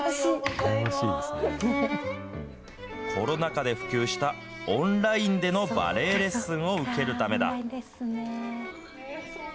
コロナ禍で普及したオンラインでのバレエレッスンを受けるためだ。